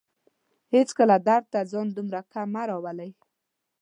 هيڅکله درد ته ځان دومره کم مه راولئ